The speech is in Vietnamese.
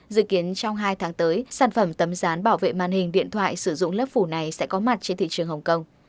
dự kiến trong hai tháng tới sản phẩm tấm dán bảo vệ màn hình điện thoại sử dụng lớp phủ này sẽ có mặt trên thị trường hồng kông